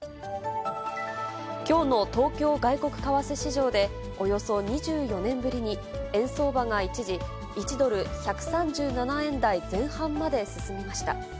きょうの東京外国為替市場で、およそ２４年ぶりに円相場が一時、１ドル１３７円台前半まで進みました。